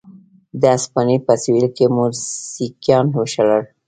د هسپانیا په سوېل کې موریسکیان وشړل.